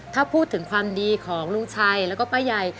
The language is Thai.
ถ้าพูดถึงความดีของลุงชัยแล้วก็ป้าใหญ่